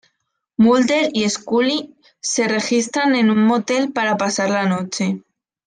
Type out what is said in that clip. Mulder y Scully se registran en un motel para pasar la noche.